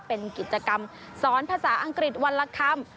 เป็นกิจกรรมสอนภาษาอังกฤษวันละคำ